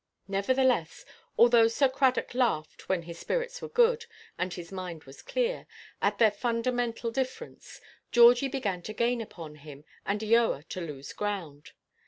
Nevertheless, although Sir Cradock laughed (when his spirits were good, and his mind was clear) at their fundamental difference, Georgie began to gain upon him, and Eoa to lose ground.